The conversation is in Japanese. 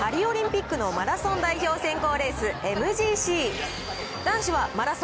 日曜日に行われたパリオリンピックのマラソン代表選考レース、ＭＧＣ。